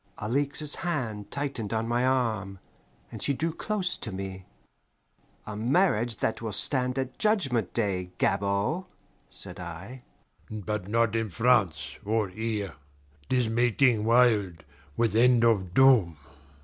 Alixe's hand tightened on my arm, and she drew close to me. "A marriage that will stand at Judgment Day, Gabord," said I. "But not in France or here. 'Tis mating wild, with end of doom."